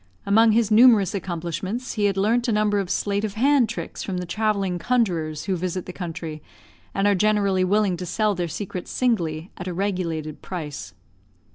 Among his numerous accomplishments, he had learnt a number of sleight of hand tricks from the travelling conjurors who visit the country, and are generally willing to sell their secrets singly, at a regulated price.